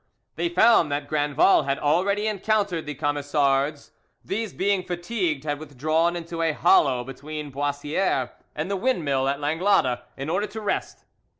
They found that Grandval had already encountered the Camisards. These being fatigued had withdrawn into a hollow between Boissieres and the windmill at Langlade, in order to rest.